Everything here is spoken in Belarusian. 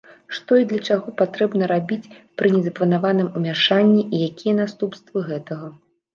Што і для чаго патрэбна рабіць пры незапланаваным умяшанні, і якія наступствы гэтага.